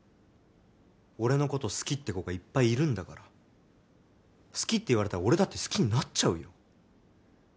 俺のこと好きって子がいっぱいいるんだから好きって言われたら俺だって好きになっちゃうよ